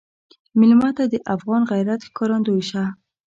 مېلمه ته د افغان غیرت ښکارندوی شه.